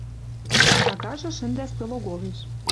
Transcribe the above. Сагажы шӹндӓ стӧл оголеш